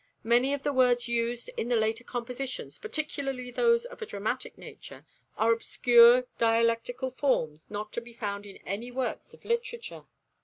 Many of the words used in the later compositions, particularly those of a dramatic nature, are obscure dialectal forms not to be found in any work of literature.